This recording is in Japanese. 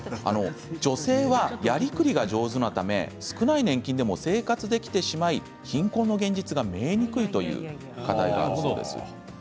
女性はやりくりが上手なため少ない年金でも生活できてしまい貧困の現実が見えにくいということがあるそうです。